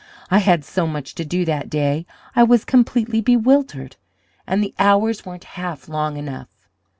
I had so much to do that day I was completely bewildered, and the hours weren't half long enough.